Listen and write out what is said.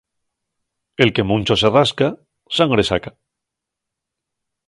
El que muncho se rasca, sangre saca.